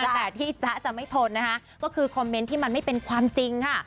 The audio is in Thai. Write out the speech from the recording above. แต่ที่จ๊ะจะไม่ทนนะคะก็คือคอมเมนต์ที่มันไม่เป็นความจริงค่ะ